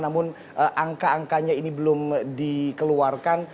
namun angka angkanya ini belum dikeluarkan